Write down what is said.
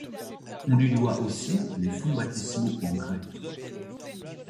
On lui doit aussi les fonts baptismaux en grès.